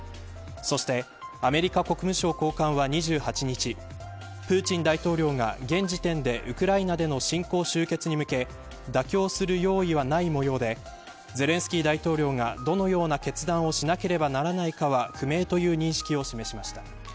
そしてアメリカ国務省高官は２８日プーチン大統領が現時点でウクライナでの侵攻終結に向け妥協する用意はないもようでゼレンスキー大統領がどのような決断をしなければならないかは不明という認識を示しました。